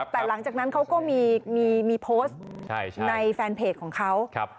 แต่หลังจากนั้นเขาก็มีโพสต์ในแฟนเพจของเขา